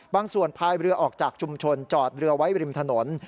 บางส่วนพายเรือออกจากชุมชนจอดเรือไว้ริมถนน